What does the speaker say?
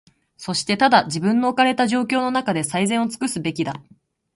そしてただ、自分の置かれた状況のなかで、最善をつくすべきだ。